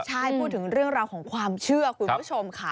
ใช่พูดถึงเรื่องราวของความเชื่อคุณผู้ชมค่ะ